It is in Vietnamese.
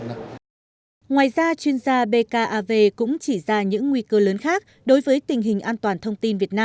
ngoài ra chuyên gia bkav cũng chỉ ra những nguy cơ lớn khác đối với tình hình an toàn thông tin việt nam